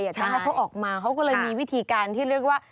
ทำให้เขาออกมาเขาก็เลยมีวิธีการที่เรียกว่า